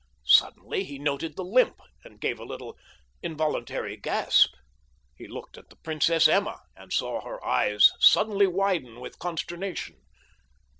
Suddenly he noted the limp, and gave a little involuntary gasp. He looked at the Princess Emma, and saw her eyes suddenly widen with consternation.